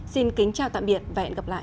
xin kính chào tạm biệt và hẹn gặp lại